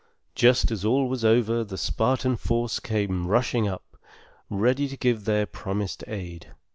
Just as all was over, the Spartan force came rushing up, ready to give their promised aid.